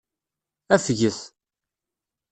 Afget.